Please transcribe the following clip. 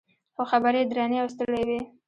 خو خبرې یې درنې او ستړې وې.